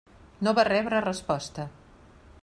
No va rebre resposta.